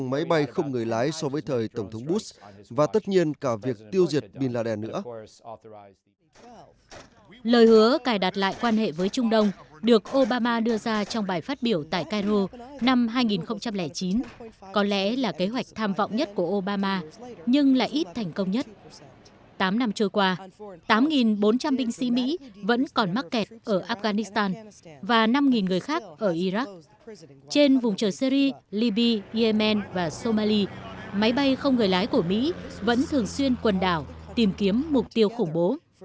máy bay không người lái của mỹ vẫn thường xuyên quần đảo tìm kiếm mục tiêu khủng bố